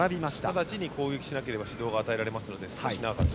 直ちに攻撃しなければ指導が与えられます。